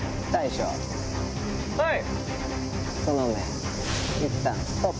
はい。